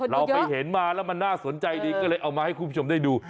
เราไปเห็นมาแล้วมันน่าสนใจดีก็เลยเอามาให้คุณผู้ชมได้ดู